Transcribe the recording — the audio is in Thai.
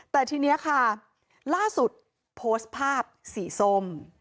แต่ทีนี้ค่ะล่าสุดโพสต์ภาพสีส้ม